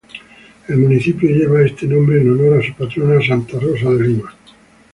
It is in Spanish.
El municipio lleva este nombre en honor a su patrona, "Santa Rosa de Lima".